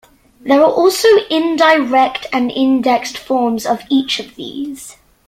There are also indirect and indexed forms of each of these.